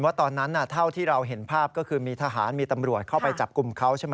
ตอนนั้นเท่าที่เราเห็นภาพก็คือมีทหารมีตำรวจเข้าไปจับกลุ่มเขาใช่ไหม